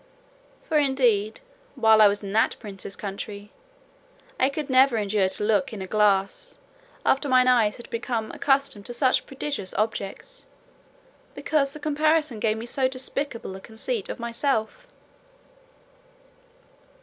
For indeed, while I was in that prince's country, I could never endure to look in a glass, after my eyes had been accustomed to such prodigious objects, because the comparison gave me so despicable a conceit of myself.